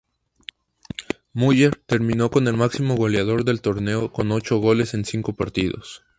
Müller terminó como el máximo goleador del torneo con ocho goles en cinco partidos.